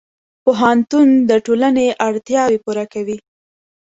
پوهنتون د ټولنې اړتیاوې پوره کوي.